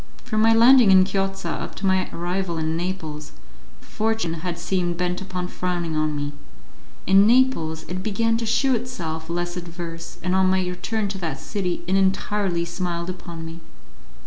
From my landing in Chiozza up to my arrival in Naples, fortune had seemed bent upon frowning on me; in Naples it began to shew itself less adverse, and on my return to that city it entirely smiled upon me.